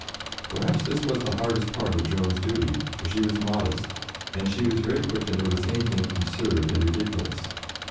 Perhaps this was the hardest part of Joan's duty, for she was modest, and she was very quick to notice anything absurd and ridiculous.